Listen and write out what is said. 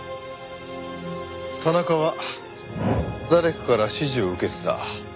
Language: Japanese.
田中は誰かから指示を受けてた。